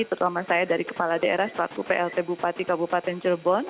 terutama saya dari kepala daerah selaku plt bupati kabupaten cirebon